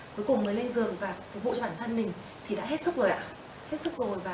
cuối cùng mới lên giường và phục vụ cho bản thân mình thì đã hết sức rồi ạ